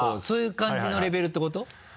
そういう感じのレベルってこと？